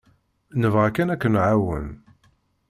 Nebɣa kan ad k-nεawen.